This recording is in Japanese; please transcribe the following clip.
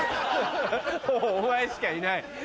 もうお前しかいない。